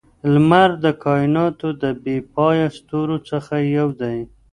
لمر د کائناتو د بې پایه ستورو څخه یو دی.